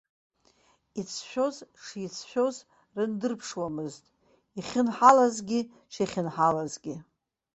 Ицәшәоз шицәшәоз рындырԥшуамызт, ихьынҳалазгьы шихьынҳалазгьы.